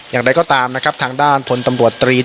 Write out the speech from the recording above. อย่างไรก็ตามนะครับทางด้านพลตำรวจตรี